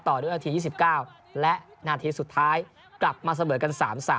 ต่อด้วยนาที๒๙และนาทีสุดท้ายกลับมาเสมอกัน๓๓